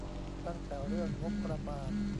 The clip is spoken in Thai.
ตั้งแต่เรื่องงบประมาณ